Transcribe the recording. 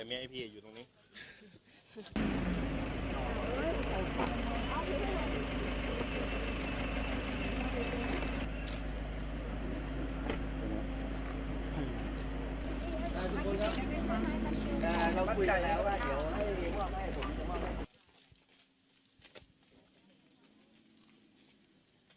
สวัสดีทุกคน